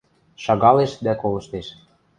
Шагалеш дӓ колыштеш.